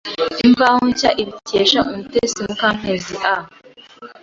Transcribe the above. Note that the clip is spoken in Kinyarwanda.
Imvaho Nshya ibikesha umutetsi Mukamwezi A